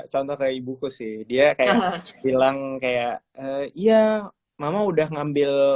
contoh kayak ibuku sih dia kayak bilang kayak iya mama udah ngambil